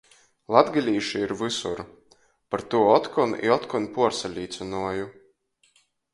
Latgalīši ir vysur – par tū otkon i otkon puorsalīcynoju.